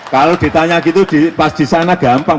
kalau ditanya gitu pas di sana gampang